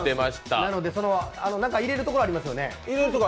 なので、何か入れるとこ、上にありますよね。